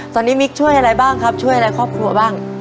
ตอนนี้มิ๊กช่วยอะไรบ้างครับช่วยอะไรครอบครัวบ้าง